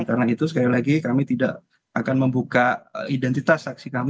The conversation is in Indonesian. karena itu sekali lagi kami tidak akan membuka identitas saksi kami